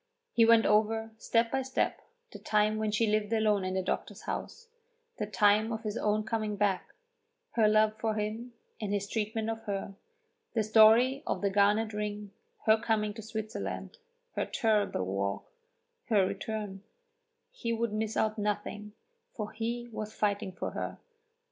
He went over, step by step, the time when she lived alone in the doctor's house, the time of his own coming back, her love for him and his treatment of her, the story of the garnet ring, her coming to Switzerland, her terrible walk, her return; he would miss out nothing, for he was fighting for her.